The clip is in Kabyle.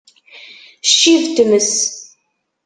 Ccib n tmes!